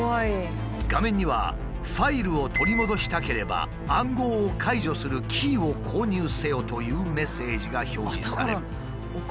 画面には「ファイルを取り戻したければ暗号を解除するキーを購入せよ」というメッセージが表示される。